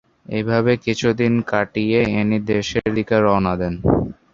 এইভাবে কিছুদিন কাটিয়ে ইনি দেশের দিকে রওনা দেন।